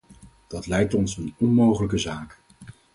Dat lijkt ons een onmogelijke zaak.